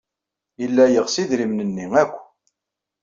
Yella yeɣs idrimen-nni akk.